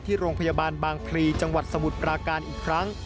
ที่โรงพยาบาลบางพลีจังหวัดสมุทรปราการอีกครั้ง